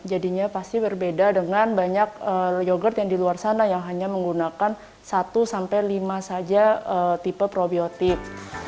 jadinya pasti berbeda dengan banyak yogurt yang di luar sana yang hanya menggunakan satu sampai lima saja tipe probiotik